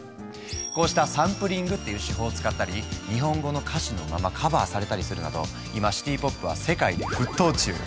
こうしたサンプリングっていう手法を使ったり日本語の歌詞のままカバーされたりするなど今シティ・ポップは世界で沸騰中。